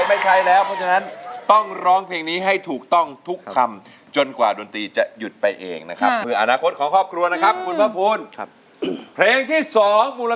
ไม่ว่าเขาจะเคยร้องเพลงนี้มาปีที่แล้วหรือนานกว่าปีที่ไหร่